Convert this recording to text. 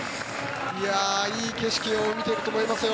いい景色を見ていると思いますよ。